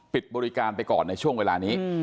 ปิดบริการไปก่อนในช่วงเวลานี้